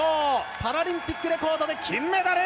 パラリンピックレコードで金メダル！